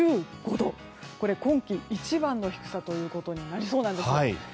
これ今季一番の低さということになりそうなんですよ。